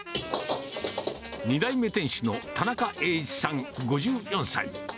２代目店主の田中栄一さん５４歳。